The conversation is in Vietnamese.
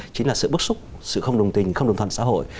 chính là sự bức xúc sự không đồng tình không đồng thuận xã hội